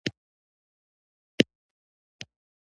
د دې وړوکي لښکر په مقابل کې رومیانو لوی لښکر درلود.